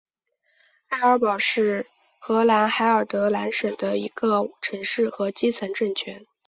埃尔堡是荷兰海尔德兰省的一个城市和基层政权。